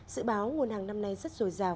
sự báo nguồn hàng năm nay rất dồi dào